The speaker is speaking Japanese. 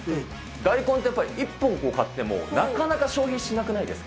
大根ってやっぱり、一本買ってもなかなか消費しなくないですか？